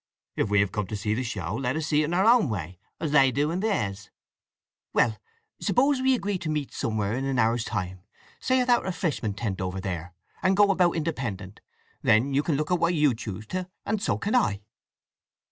If we have come to see the show let us see it in our own way, as they do in theirs." "Well—suppose we agree to meet somewhere in an hour's time—say at that refreshment tent over there, and go about independent? Then you can look at what you choose to, and so can I."